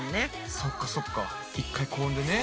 そっかそっか一回高温でね。